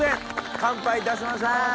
乾杯いたしましょう。